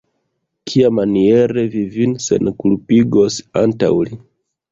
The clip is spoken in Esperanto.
Kiamaniere vi vin senkulpigos antaŭ li?